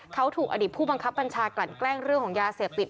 เขาถูกอดีตผู้บังคับบัญชากลั่นแกล้งเรื่องของยาเสพติด